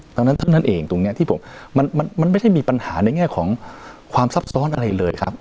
ดังนั้นเท่านั้นเองตรงนี้ที่ผมมันไม่ได้มีปัญหาในแง่ของความซับซ้อนอะไรเลยครับ